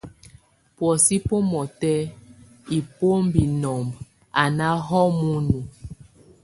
Buɔ́sɛ bomɔtɛ, imbómbi nob, a náho munu.